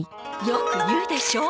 よく言うでしょ。